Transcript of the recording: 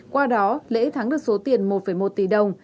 qua đó lễ thắng được số tiền một một tỷ đồng